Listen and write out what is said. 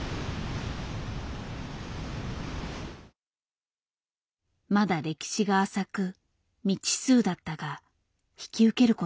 まだ歴史が浅く未知数だったが引き受けることにした。